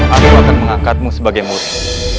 aku akan mengangkatmu sebagai musuh